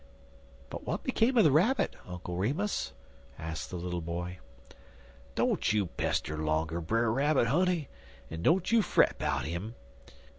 "But what became of the Rabbit, Uncle Remus?" asked the little boy. "Don't you pester longer Brer Rabbit, honey, en don't you fret 'bout 'im.